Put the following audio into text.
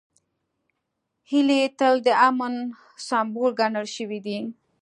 هیلۍ تل د امن سمبول ګڼل شوې ده